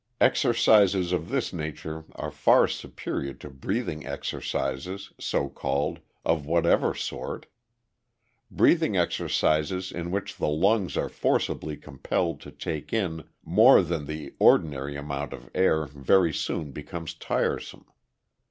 Exercises of this nature are far superior to breathing exercises, so called, of whatever sort. Breathing exercises in which the lungs are forcibly compelled to take in more than the ordinary amount of air very soon become tiresome.